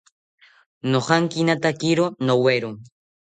Nojankinatakiro nowero